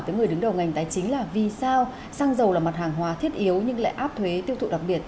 với người đứng đầu ngành tài chính là vì sao xăng dầu là mặt hàng hóa thiết yếu nhưng lại áp thuế tiêu thụ đặc biệt